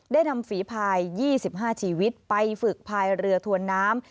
ได้นำฝีภาย๒๕ชีวิตไปฝึกภายเรือถวนน้ำ